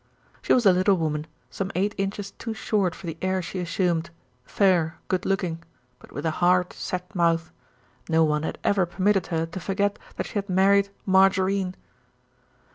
She was a little woman, some eight inches too short for the air she assumed, fair, good looking; but with a hard, set mouth. No one had ever permitted her to forget that she had married margarine.